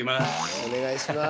お願いします。